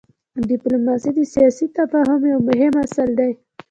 ډيپلوماسي د سیاسي تفاهم یو مهم اصل دی.